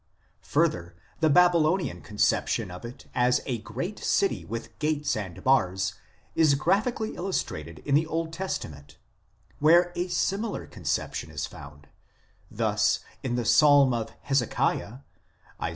Further, the Babylonian conception of it as a great city with gates and bars is graphically illus trated in the Old Testament, where a similar conception is found ; thus, in the Psalm of Hezekiah (Isa.